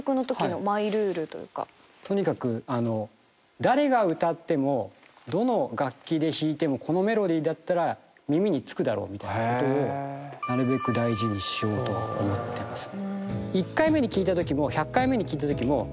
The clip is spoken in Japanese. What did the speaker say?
とにかくあの誰が歌ってもどの楽器で弾いてもこのメロディーだったら耳に付くだろうみたいなことをなるべく大事にしようとは思ってますね。